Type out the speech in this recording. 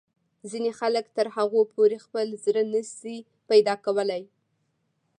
ځینې خلک تر هغو پورې خپل زړه نه شي پیدا کولای.